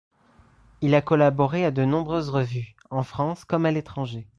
Il a collaboré à de nombreuses revues, en France comme à l’étranger.